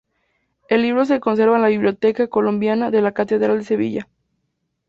El libro se conserva en la Biblioteca Colombina de la Catedral de Sevilla.